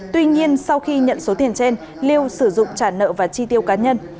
tuy nhiên sau khi nhận số tiền trên liêu sử dụng trả nợ và chi tiêu cá nhân